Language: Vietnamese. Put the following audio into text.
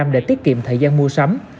để tiết kiệm thời gian mua sắm